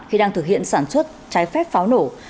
khi đang thực hiện sản xuất trái phép pháo nổ